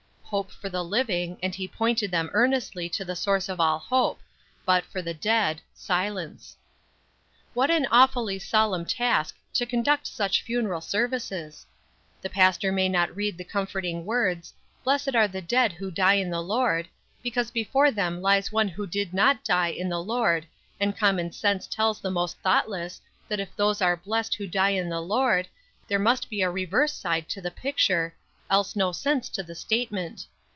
Hope for the living, and he pointed them earnestly to the source of all hope; but for the dead, silence. What an awfully solemn task to conduct such funeral services. The pastor may not read the comforting words: "Blessed are the dead who die in the Lord," because before them lies one who did not die in the Lord, and common sense tells the most thoughtless that if those are blessed who die in the Lord there must be a reverse side to the picture, else no sense to the statement.